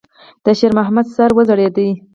د شېرمحمد سر وځړېد.